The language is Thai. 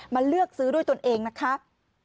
เลือกซื้อด้วยตนเองนะครับ